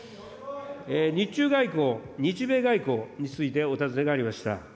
日中外交、日米外交についてお尋ねがありました。